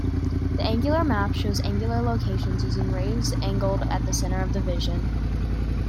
The angular map shows angular location using rays angled about the center of vision.